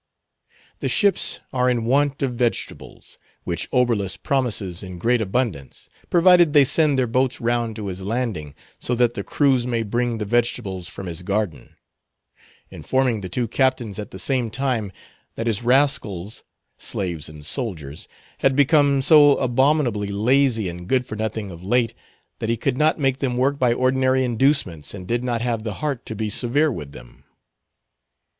The ships are in want of vegetables, which Oberlus promises in great abundance, provided they send their boats round to his landing, so that the crews may bring the vegetables from his garden; informing the two captains, at the same time, that his rascals—slaves and soldiers—had become so abominably lazy and good for nothing of late, that he could not make them work by ordinary inducements, and did not have the heart to be severe with them.